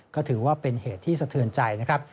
ก็ถือว่าเป็นเหตุที่สะเทือนใจนะครับ